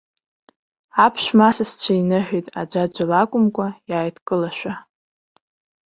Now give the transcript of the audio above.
Аԥшәма асасцәа иныҳәеит, аӡәаӡәала акәымкәа, иааидкылашәа.